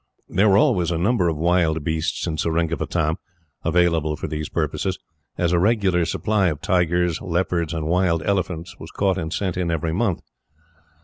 There were always a number of wild beasts in Seringapatam, available for these purposes, as a regular supply of tigers, leopards, and wild elephants was caught and sent in every month.